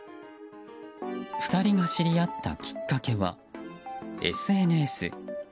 ２人が知り合ったきっかけはＳＮＳ。